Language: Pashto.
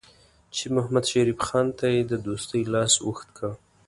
چې محمدشریف خان ته یې د دوستۍ لاس اوږد کړ.